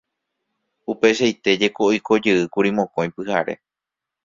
Upeichaite jeko oikojeýkuri mokõi pyhare.